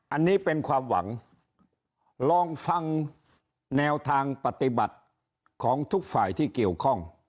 อันนี้เป็นความหวังลองฟังแนวทางปฏิบัติของทุกฝ่ายที่เกี่ยวข้อง